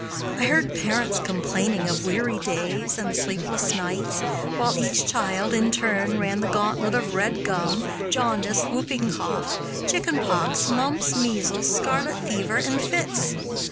I heard parents complaining of weary days and sleepless nights, while each child, in turn, ran the gauntlet of red gum, jaundice, whooping cough, chicken pox, mumps, measles, scarlet fever, and fits.